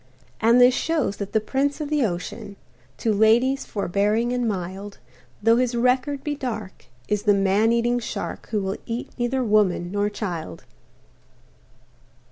And this shows that the prince of the ocean, To ladies forbearing and mild, Though his record be dark, is the man eating shark Who will eat neither woman nor child.